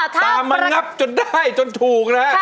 ตามมางับจนได้จนถูกนะ